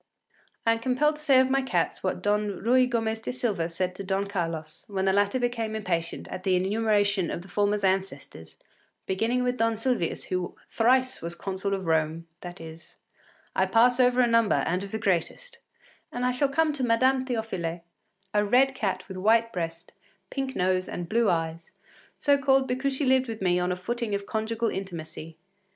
I am compelled to say of my cats what Don Ruy Gomez de Silva said to Don Carlos, when the latter became impatient at the enumeration of the former’s ancestors, beginning with Don Silvius “who thrice was Consul of Rome,” that is, “I pass over a number, and of the greatest,” and I shall come to Madame Théophile, a red cat with white breast, pink nose, and blue eyes, so called because she lived with me on a footing of conjugal intimacy.